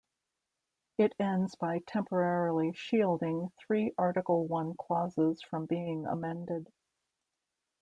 It ends by temporarily shielding three Article One clauses from being amended.